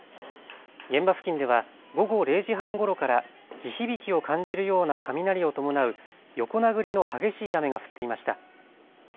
現場付近では午後０時半ごろから地響きを感じるような雷を伴う横殴りの激しい雨が降っていました。